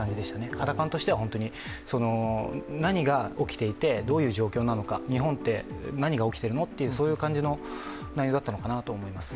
肌感としては、何が起きていてどういう状況なのか日本って何が起きてるのという感じの内容だったと思います。